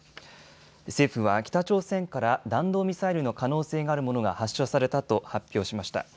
政府は北朝鮮から弾道ミサイルの可能性があるものが発射されたと発表しました。